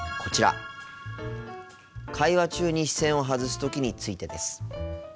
会話中に視線を外すときについてです。